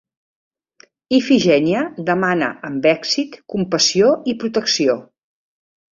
Ifigènia demana, amb èxit, compassió i protecció.